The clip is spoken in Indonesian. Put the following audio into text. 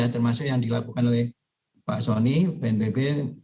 termasuk yang dilakukan oleh pak soni bnpb